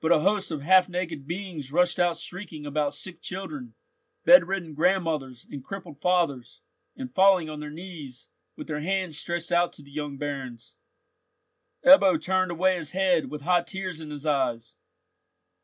But a host of half naked beings rushed out shrieking about sick children, bed ridden grandmothers, and crippled fathers, and falling on their knees, with their hands stretched out to the young barons. Ebbo turned away his head with hot tears in his eyes.